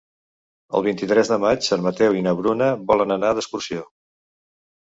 El vint-i-tres de maig en Mateu i na Bruna volen anar d'excursió.